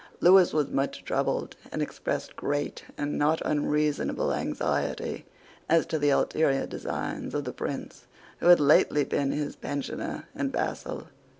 Lewis was much troubled, and expressed great, and not unreasonable, anxiety as to the ulterior designs of the prince who had lately been his pensioner and vassal.